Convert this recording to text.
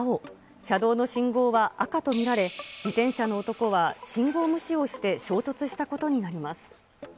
車道の信号は赤と見られ、自転車の男は信号無視をして、衝突したことになります。